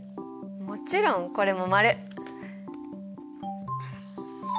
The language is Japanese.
もちろんこれも○！